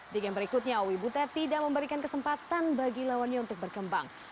di game berikutnya owi butet tidak memberikan kesempatan bagi lawannya untuk berkembang